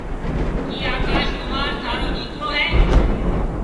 ڪِي آڪاش ڪمار ٿارو ڏيڪرو هيَ؟